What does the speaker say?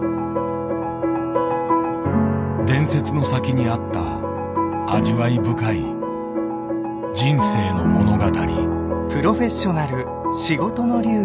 伝説の先にあった味わい深い人生の物語。